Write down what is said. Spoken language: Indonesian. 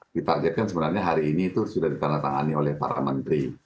ditargetkan sebenarnya hari ini itu sudah ditandatangani oleh para menteri